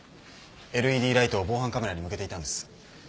ＬＥＤライトを防犯カメラに向けていたんです。